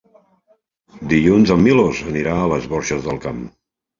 Dilluns en Milos anirà a les Borges del Camp.